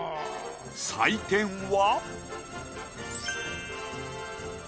採点は。